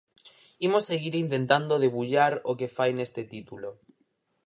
Imos seguir intentando debullar o que fai neste título.